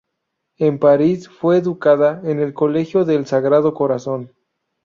En París fue educada en el colegio del Sagrado Corazón.